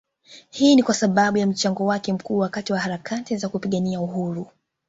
Hii ni kwasababu ya mchango wake mkubwa wakati wa harakati za kupigania uhuru